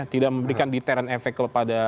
tidak memberikan deterrent efek kepada